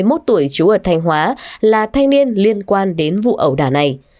trần duy quang hai mươi một tuổi trú ở thành hóa là thanh niên liên quan đến vụ ẩu đà này